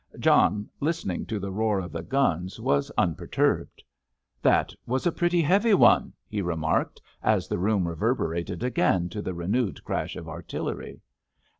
John, listening to the roar of the guns, was unperturbed. "That was a pretty heavy one," he remarked, as the room reverberated again to the renewed crash of artillery.